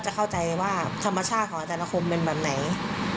เข้าใจว่าธรรมชาติของอาจารย์คมเป็นแบบไหน